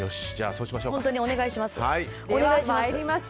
本当にお願いします。